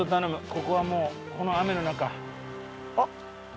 ここはもうこの雨の中。